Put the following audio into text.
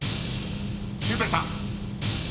［シュウペイさん］